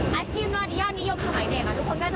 แต่ทีนี้ก็อาชีพนัดยอดนิยมสมัยเด็ก